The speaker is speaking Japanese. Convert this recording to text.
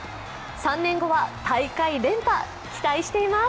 ３年後は大会連覇、期待しています！